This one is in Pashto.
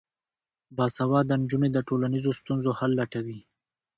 باسواده نجونې د ټولنیزو ستونزو حل لټوي.